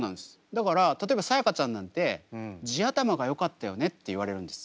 だから例えばさやかちゃんなんて地頭がよかったよねって言われるんです。